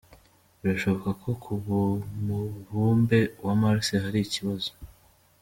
Birashoboka ko ku mubumbe wa Mars hari ikibazo.